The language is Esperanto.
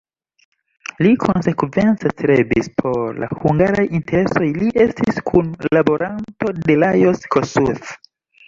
Li konsekvence strebis por la hungaraj interesoj, li estis kunlaboranto de Lajos Kossuth.